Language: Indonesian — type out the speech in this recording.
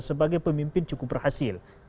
sebagai pemimpin cukup berhasil